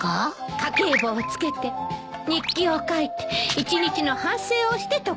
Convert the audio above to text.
家計簿を付けて日記を書いて一日の反省をして床に入るの。